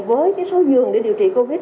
với cái số giường để điều trị covid